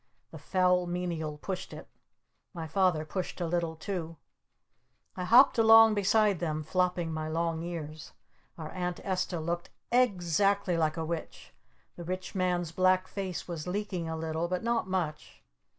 The Foul Menial pushed it. My Father pushed a little too. I hopped along beside them flopping my long ears. Our Aunt Esta looked ex actly like a Witch! The Rich Man's black face was leaking a little but not much!